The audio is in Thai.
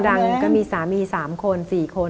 ก็ดังก็มีสามีสามคนสี่คน